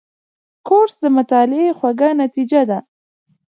کورس د مطالعې خوږه نتیجه ده.